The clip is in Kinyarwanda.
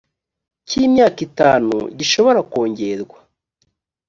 cy imyaka itanu gishobora kongerwa